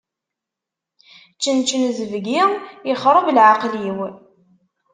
Čenčen zebgi, ixreb leɛqel-iw.